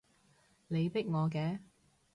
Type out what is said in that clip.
你逼我嘅